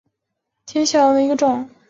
天水小檗为小檗科小檗属下的一个种。